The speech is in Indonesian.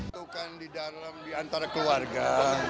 itu kan di dalam di antara keluarga